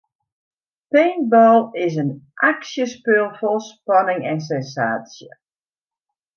Paintball is in aksjespul fol spanning en sensaasje.